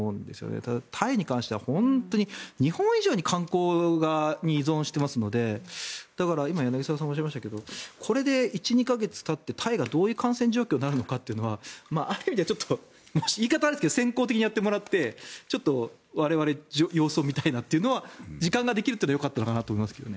ただ、タイに関しては本当に日本以上に観光に依存していますのでだから今、柳澤さんがおっしゃいましたけどこれで１２か月たってタイがどういう感染状況になるかというのはある意味で、言い方は悪いですが先行的にやってもらってちょっと我々、様子を見たいなというのは時間ができるというのはよかったかなと思います。